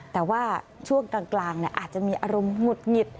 แต่ว่าช่วงกลางอาจจะมีอารมณ์หงุดหงิด